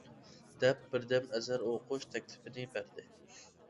دەپ بىردەم ئەسەر ئوقۇش تەكلىپىنى بەردى.